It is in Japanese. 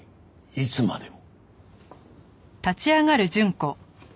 いつまでも。